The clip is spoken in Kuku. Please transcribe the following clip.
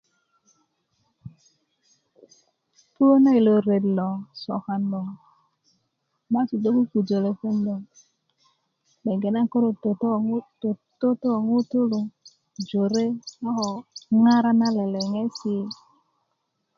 puwö na yilo ret lo sokan lo maatu do pupujö lepeŋ lo gbeŋge naŋ ko do toto ko ŋut toto ko ŋutuu jore a ko ŋara na leleŋesi'